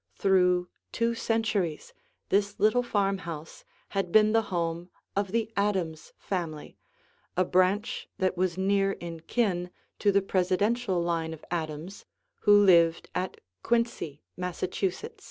Through two centuries this little farmhouse had been the home of the Adams family, a branch that was near in kin to the presidential line of Adams who lived at Quincy, Massachusetts.